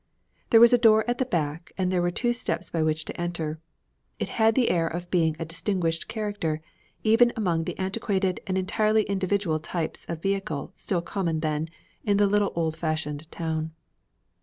There was a door at the back and there were two steps by which to enter. It had the air of being a distinguished character, even among the antiquated and entirely individual types of vehicle still common then in the little old fashioned town.